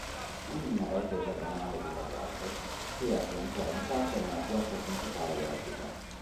Un minareto esagonale di basalto si erge ancora intatto nella piazza principale della città.